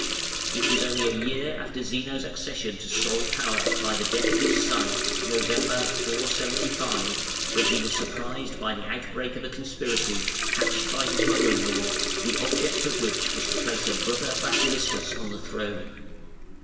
It was only a year after Zeno's accession to sole power by the death of his son (Nov., 475) when he was surprised by the outbreak of a conspiracy, hatched by his mother in law, the object of which was to place her brother Basiliscus on the throne.